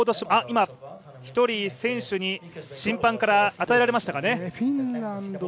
今、１人選手に審判から与えられましたかね。